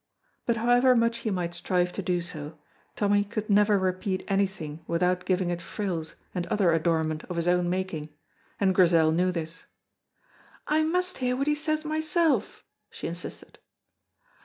But however much he might strive to do so, Tommy could never repeat anything without giving it frills and other adornment of his own making, and Grizel knew this. "I must hear what he says myself," she insisted.